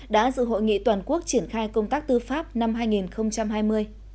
đã dự hội nghị toàn quốc triển khai công tác tư pháp năm hai nghìn hai mươi